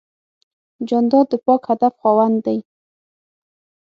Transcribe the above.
جانداد د پاک هدف خاوند دی.